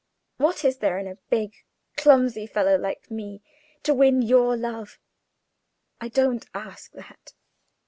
What is there in a big, clumsy fellow like me to win your love? I don't ask that.